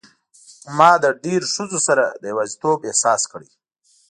ما له ډېرو ښځو سره د یوازیتوب احساس کړی.